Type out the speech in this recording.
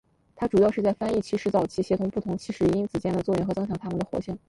它主要是在翻译起始早期协同不同起始因子间的作用和增强它们的活性。